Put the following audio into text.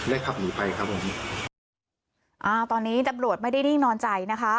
ขับหนีไปครับผมอ่าตอนนี้ตำรวจไม่ได้นิ่งนอนใจนะคะ